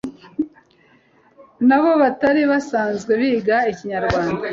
nabo batari basanzwe biga Ikinyarwanda